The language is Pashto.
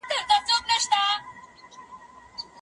سپین سرې له خپلې کيږدۍ څخه په غرور راووته.